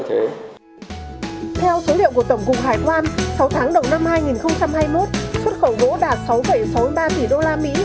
theo số liệu của tổng cục hải quan